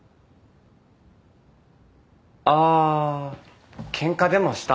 あケンカでもした？